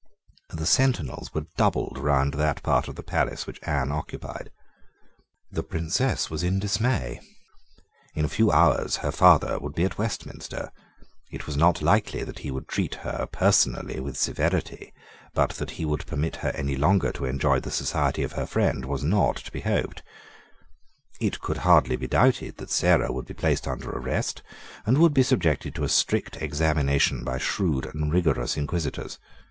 The sentinels were doubled round that part of the palace which Anne occupied. The Princess was in dismay. In a few hours her father would be at Westminster. It was not likely that he would treat her personally with severity; but that he would permit her any longer to enjoy the society of her friend was not to be hoped. It could hardly be doubted that Sarah would be placed under arrest and would be subjected to a strict examination by shrewd and rigorous inquisitors.